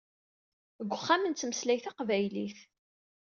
Deg uxxam nettmeslay taqbaylit.